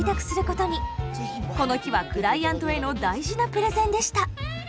この日はクライアントへの大事なプレゼンでした。